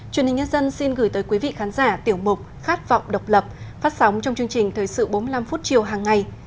truyền hình nhân dân xin gửi tới quý vị khán giả tiểu mục khát vọng độc lập phát sóng trong chương trình thời sự bốn mươi năm phút chiều hàng ngày